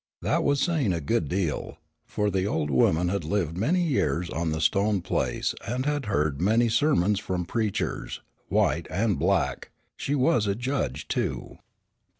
That was saying a good deal, for the old woman had lived many years on the Stone place and had heard many sermons from preachers, white and black. She was a judge, too.